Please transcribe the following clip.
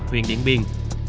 huyện điện biên